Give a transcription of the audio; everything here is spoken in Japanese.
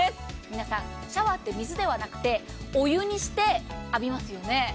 皆さん、シャワーって水ではなくお湯にして浴びますね。